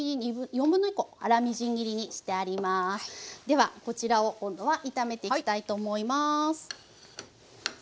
ではこちらを今度は炒めていきたいと思います。